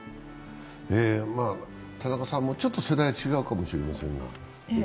田中さんもちょっと世代は違うかもしれませんが。